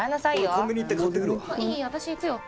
コンビニ行って買ってくるわ私行くよ